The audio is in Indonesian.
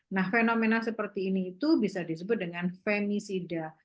nah fenomena seperti ini itu bisa disebut dengan femisida